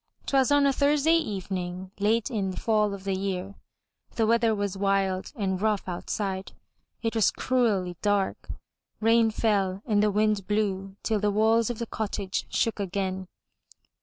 Twas on a Thursday evening late in the fall of the year. The weather was wild and rough outside; it was cruelly dark; rain fell and the wind blew till the walls of the cottage shook again.